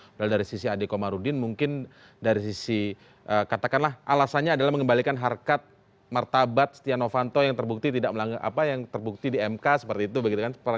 padahal dari sisi ade komarudin mungkin dari sisi katakanlah alasannya adalah mengembalikan harkat martabat setia novanto yang terbukti tidak melanggar apa yang terbukti di mk seperti itu begitu kan